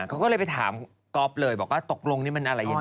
เขาก็เลยไปถามก๊อฟเลยบอกว่าตกลงนี่มันอะไรยังไง